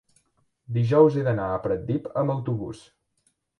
dijous he d'anar a Pratdip amb autobús.